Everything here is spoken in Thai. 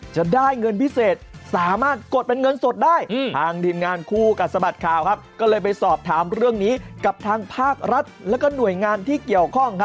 จะได้เงินพิเศษสามารถกดเป็นเงินสดได้